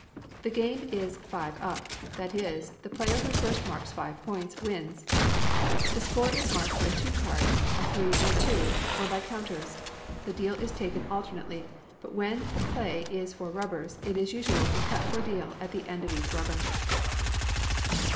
The game is five up; that is, the player who first marks five points, wins. The score is marked by two cards, a three and a two, or by counters. The deal is taken alternately; but when the play is for rubbers it is usual to cut for deal at the end of each rubber.